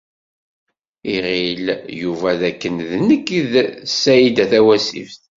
Iɣil Yuba d akken d nekk i d Saɛida Tawasift.